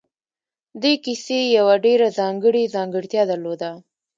دې کيسې يوه ډېره ځانګړې ځانګړتيا درلوده.